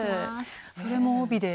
それも帯で？